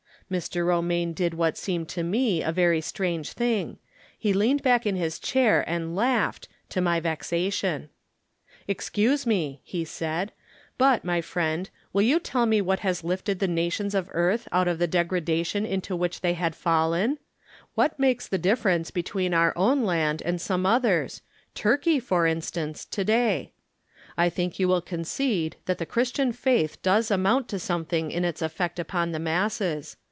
Mr. Romaine did what seemed to me a very strange thing — he leaned back in his chair and laughed, to my vexation. T'rom Different Standpoints. 79 " Excuse me," he said. " But, my friend, will you tell me what has lifted the nations of earth out of the degradation into which they had fallen ? What makes the difference between our own land and some others — Turkey, for instance — to day ? I think you will concede that the Christian faith does amount to something in its effect upon the masses.